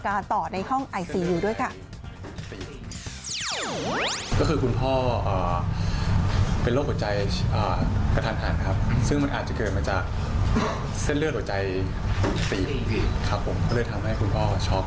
ก็คือคุณพ่อเป็นโรคหัวใจกระทันหันครับซึ่งมันอาจจะเกิดมาจากเส้นเลือดหัวใจถูกตีครับผมก็เลยทำให้คุณพ่อช็อก